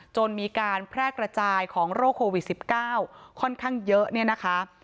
จนมีการแพร่กระจายของโรคโควิด๑๙ค่อนข้างเยอะเนี่ยนะคะ